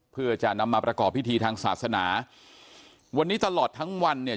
เพื่อจะนำมาประกอบพิธีทางศาสนาวันนี้ตลอดทั้งวันเนี่ย